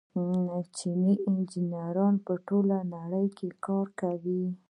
چیني انجنیران په ټوله نړۍ کې کار کوي.